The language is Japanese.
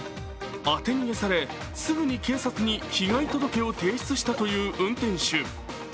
当て逃げされ、すぐに警察に被害届を提出したという運転手。